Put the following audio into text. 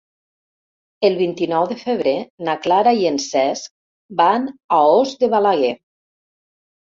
El vint-i-nou de febrer na Clara i en Cesc van a Os de Balaguer.